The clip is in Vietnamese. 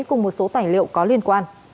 cũng một số tài liệu có liên quan